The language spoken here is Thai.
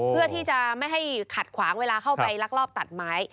เพื่อที่จะไม่ให้ขัดขวางเวลาเข้าไปลักลอบตัดไม้